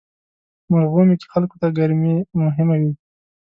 مرغومی کې خلکو ته ګرمي مهمه وي.